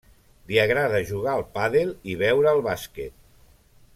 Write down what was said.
Li agrada jugar al pàdel i veure el bàsquet.